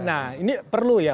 nah ini perlu ya